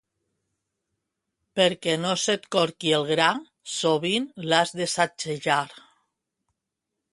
Perquè no se't corqui el gra, sovint l'has de sacsejar.